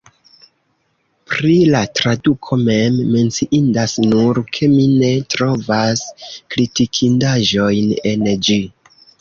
Pri la traduko mem, menciindas nur, ke mi ne trovas kritikindaĵojn en ĝi.